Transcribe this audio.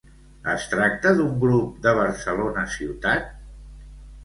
Es tracta d'un grup de Barcelona ciutat?